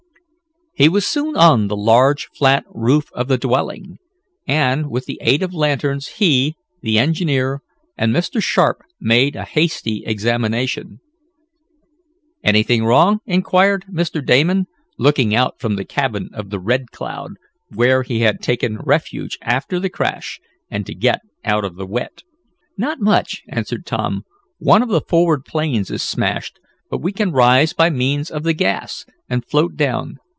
He was soon on the large, flat roof of the dwelling, and, with the aid of lanterns he, the engineer, and Mr. Sharp made a hasty examination. "Anything wrong?" inquired Mr. Damon, looking out from the cabin of the Red Cloud where he had taken refuge after the crash, and to get out of the wet. "Not much," answered Tom. "One of the forward planes is smashed, but we can rise by means of the gas, and float down.